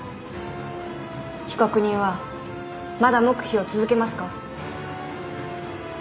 被告人はまだ黙秘を続けますか。